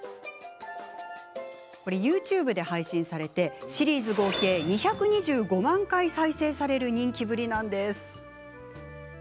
ＹｏｕＴｕｂｅで配信されシリーズ合計２２５万回再生される人気ぶりなんです。